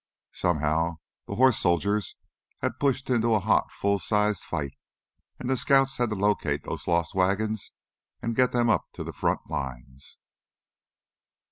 Somehow the horse soldiers had pushed into a hot, full sized fight and the scouts had to locate those lost wagons and get them up to the front lines.